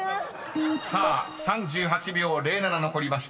［３８秒０７残りました］